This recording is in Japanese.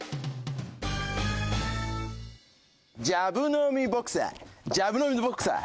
「ジャブのみボクサージャブのみボクサー」